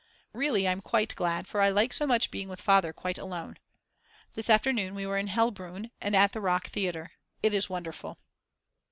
Really I'm quite glad, for I like so much being with Father quite alone. This afternoon we were in Hellbrunn and at the Rock Theatre. It is wonderful.